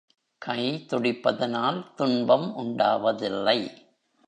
கை துடிப்பதனால் துன்பம் உண்டாவதில்லை.